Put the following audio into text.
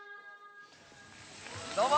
どうも！